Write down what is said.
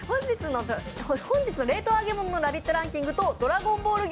本日の冷凍揚げ物のラヴィットランキングと「ドラゴンボール」